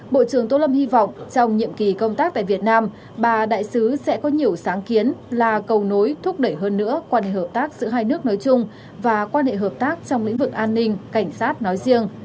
bộ trưởng tô lâm hy vọng trong nhiệm kỳ công tác tại việt nam bà đại sứ sẽ có nhiều sáng kiến là cầu nối thúc đẩy hơn nữa quan hệ hợp tác giữa hai nước nói chung và quan hệ hợp tác trong lĩnh vực an ninh cảnh sát nói riêng